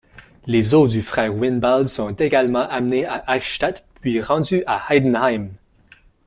Les os du frère Wynnebald sont également amenés à Eichstätt puis rendus à Heidenheim.